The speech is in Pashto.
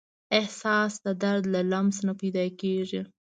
احساس د درد له لمس نه پیدا کېږي.